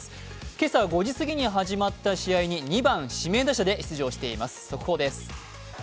今朝５時過ぎに始まった試合に２番・指名打者で出場しています、速報です。